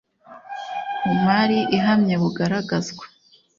Ku mari ihamye bugaragazwa